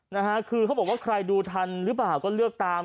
นะฮะคือเขาบอกว่าใครดูทันหรือเปล่าก็เลือกตาม